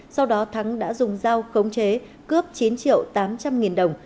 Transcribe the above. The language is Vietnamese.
sau đó thắng đã dùng dao khống chế cướp chín triệu tám trăm linh nghìn đồng